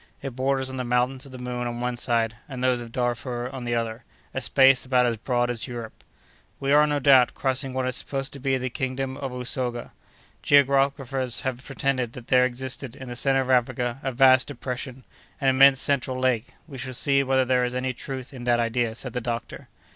It borders on the Mountains of the Moon on one side, and those of Darfur on the other—a space about as broad as Europe. "We are, no doubt, crossing what is supposed to be the kingdom of Usoga. Geographers have pretended that there existed, in the centre of Africa, a vast depression, an immense central lake. We shall see whether there is any truth in that idea," said the doctor.